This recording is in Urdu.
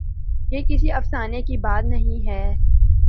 یہ کسی افسانے کی باتیں نہیں ہیں۔